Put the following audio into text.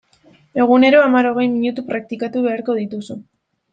Egunero hamar-hogei minutu praktikatu beharko duzu.